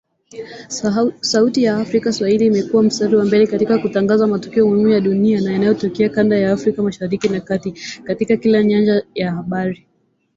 Sauti ya Afrika Swahili imekua mstari wa mbele katika kutangaza matukio muhimu ya dunia na yanayotokea kanda ya Afrika Mashariki na Kati, katika kila nyanja ya habari.